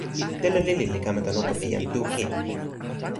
telo lili li kama tan oko pi jan Tu kin.